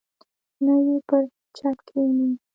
نه یې پر چت کښیني.